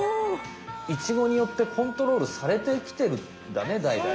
イチゴによってコントロールされてきてるんだねだいだい。